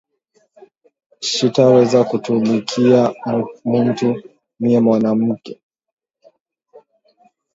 Shita weza kutumikiya muntu miye mwanamuke